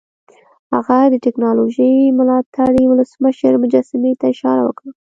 هغه د ټیکنالوژۍ ملاتړي ولسمشر مجسمې ته اشاره وکړه